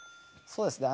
そうですね。